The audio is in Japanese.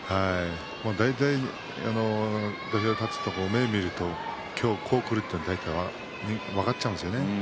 大体、土俵に立つと目を見ると今日はこうくるって分かっちゃうんですよね。